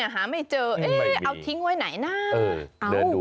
หาไม่เจอเอาทิ้งไว้ไหนนะ